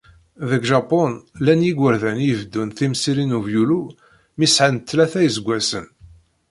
Deg Japun llan yigerdan i ibeddun timsirin uvyulu mi sεan tlata iseggasen.